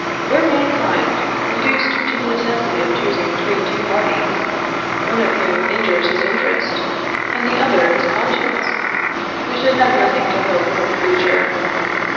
Were mankind reduced to the necessity of choosing between two parties, one of whom injures his interest, and the other his conscience, we should have nothing to hope from the future.